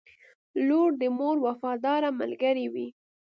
• لور د مور وفاداره ملګرې وي.